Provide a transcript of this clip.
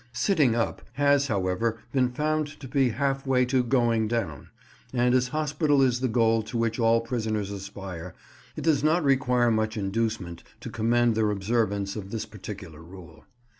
"Sitting up" has, however, been found to be half way to "going down"; and, as hospital is the goal to which all prisoners aspire, it does not require much inducement to commend their observance of this particular rule.